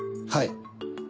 はい。